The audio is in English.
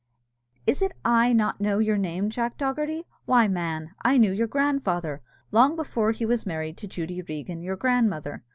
"Is it I not know your name, Jack Dogherty? Why, man, I knew your grandfather long before he was married to Judy Regan, your grandmother!